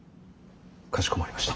かしこまりました。